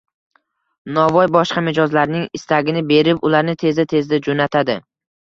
Novvoy boshqa mijozlarining istagini berib, ularni tezda-tezda jo'natadi